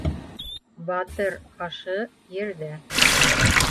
Батыр ашы ерҙә.